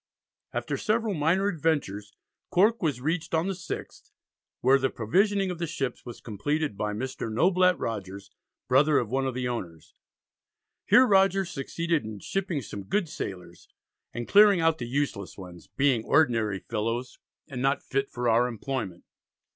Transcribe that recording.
After several minor adventures Cork was reached on the 6th, where the provisioning of the ships was completed by Mr. Noblett Rogers, brother of one of the owners. Here Rogers succeeded in shipping some good sailors, and clearing out the useless ones, "being ordinary fellows, and not fit for our employment."